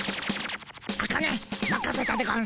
アカネまかせたでゴンス。